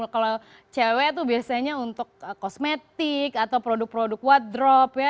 kalau cewek tuh biasanya untuk kosmetik atau produk produk what drop ya